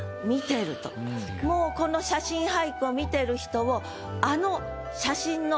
もうこの写真俳句を見てる人をあの。